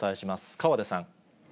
河出さん。